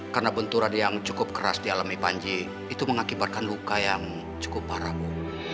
karena benturan yang cukup keras dialami panji itu mengakibatkan luka yang cukup parah bu